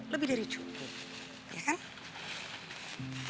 lebih dari cukup